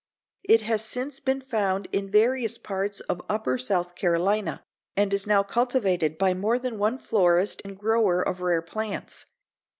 It has since been found in various parts of upper South Carolina, and is now cultivated by more than one florist and grower of rare plants.